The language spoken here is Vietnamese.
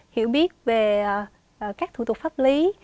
hiểu biết về các thủ tục pháp lý